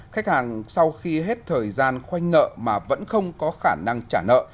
khách hàng sau khi hết thời gian khoanh nợ mà vẫn không có khả năng trả nợ